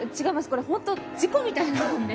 これほんと事故みたいなもんで。